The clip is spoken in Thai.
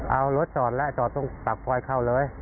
เอารถจอดแล้วจอดตรงปากซอยเข้าเลย